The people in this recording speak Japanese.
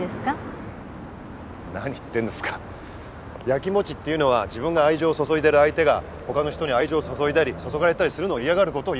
焼きもちっていうのは自分が愛情を注いでる相手が他の人に愛情を注いだり注がれたりするのを嫌がることをいうんです。